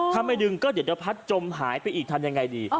ถ้าไม่ดึงก็เดี๋ยวจะพัดจมหายไปอีกทำยังไงดี